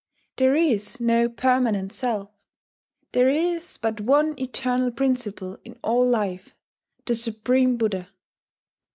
There is no permanent self: there is but one eternal principle in all life, the supreme Buddha.